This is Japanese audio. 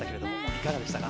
いかがでしたか。